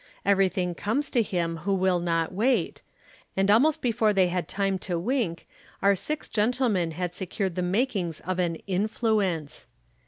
Everything comes to him who will not wait, and almost before they had time to wink our six gentlemen had secured the makings of an Influence.